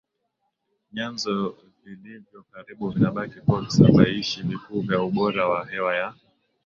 vyanzo vilivyo karibu vinabaki kuwa visababishi vikuu vya ubora wa hewa ya